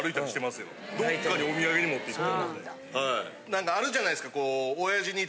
何かあるじゃないですか。